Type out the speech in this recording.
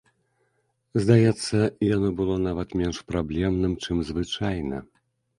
Здаецца, яно было нават менш праблемным, чым звычайна.